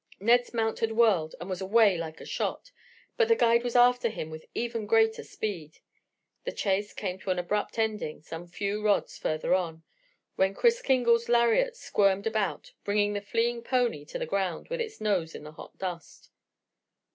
Ned's mount had whirled and was away like a shot. But the guide was after him with even greater speed. The chase came to an abrupt ending some few rods farther on, when Kris Kringle's lariat squirmed out, bringing the fleeing pony to the ground with its nose in the hot dust.